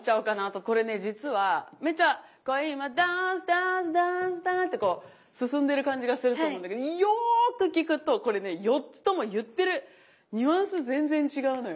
これね実はめちゃ「恋もｄａｎｃｅ，ｄａｎｃｅ，ｄａｎｃｅ，ｄａｎｃｅ」ってこう進んでる感じがすると思うんだけどよく聴くとこれね４つとも言ってるニュアンス全然違うのよ。